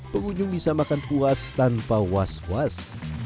pengunjung bisa makan puas tanpa was was